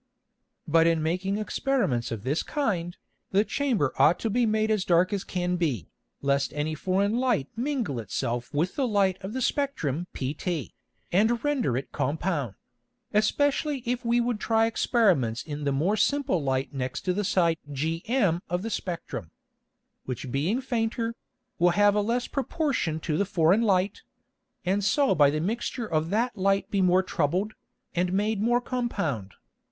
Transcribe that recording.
] But in making Experiments of this kind, the Chamber ought to be made as dark as can be, lest any Foreign Light mingle it self with the Light of the Spectrum pt, and render it compound; especially if we would try Experiments in the more simple Light next the Side gm of the Spectrum; which being fainter, will have a less proportion to the Foreign Light; and so by the mixture of that Light be more troubled, and made more compound.